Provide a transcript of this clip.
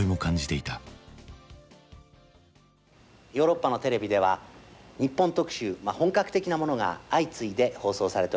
ヨーロッパのテレビでは日本特集まあ本格的なものが相次いで放送されております。